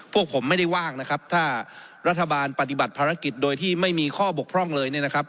พวกผมไม่ได้ว่างนะครับถ้ารัฐบาลปฏิบัติภารกิจโดยที่ไม่มีข้อบกพร่องเลยเนี่ยนะครับ